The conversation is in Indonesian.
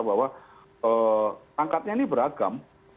bahwa pangkatnya ini beragam